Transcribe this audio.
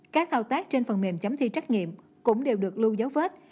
các hào tác trên phần mềm chấm thi trách nhiệm cũng đều được lưu giấu vết